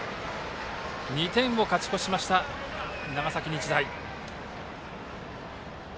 ２点を勝ち越しました長崎日大。